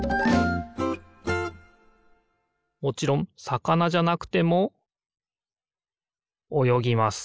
もちろんさかなじゃなくてもおよぎます